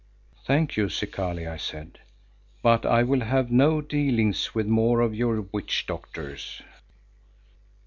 "Thank you, Zikali," I said, "but I will have no dealings with more of your witch doctors."